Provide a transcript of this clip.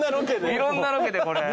いろんなロケでこれ。